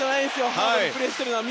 ハードにプレーしているのは。